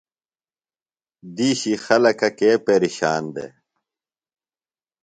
دِیشی خلکہ کے پیرِشان دےۡ ؟